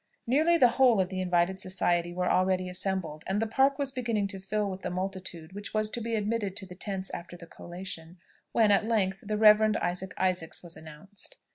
Nearly the whole of the invited society were already assembled, and the Park was beginning to fill with the multitude which was to be admitted to the tents after the collation, when, at length, the Reverend Isaac Isaacs was announced.